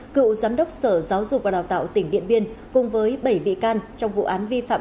cựu giám đốc sở giáo dục và đào tạo tỉnh điện biên cùng với bảy bị can trong vụ án vi phạm